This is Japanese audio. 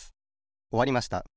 おわりました。